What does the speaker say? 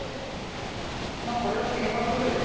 まあこれは桂馬取るでしょうね。